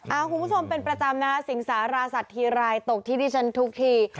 คุณผู้ชมเป็นประจำนะฮะสิงสาราสัตว์ทีไรตกที่ที่ฉันทุกที